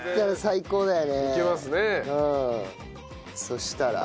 そしたら？